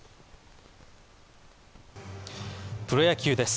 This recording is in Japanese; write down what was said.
プロ野球です。